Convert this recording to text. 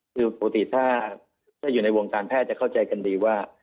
คือปกติถ้าอยู่ในวงการแพทย์จะเข้าใจกันดีว่า